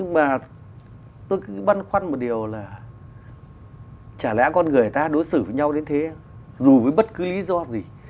mà tôi cứ băn khoăn một điều là chả lẽ con người người ta đối xử với nhau đến thế dù với bất cứ lý do gì